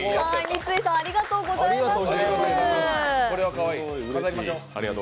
三井さん、ありがとうございます。